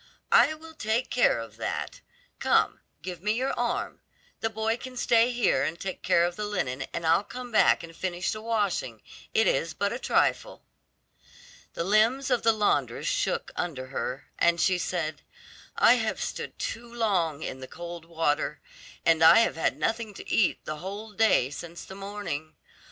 "I will take care of that. Come, give me your arm. The boy can stay here and take care of the linen, and I'll come back and finish the washing; it is but a trifle." The limbs of the laundress shook under her, and she said, "I have stood too long in the cold water, and I have had nothing to eat the whole day since the morning.